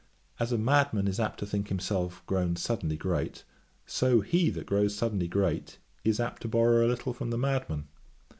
As a madman is apt to think himself grown suddenly great, so he that grows suddenly great is apt to borrow a little from the madman.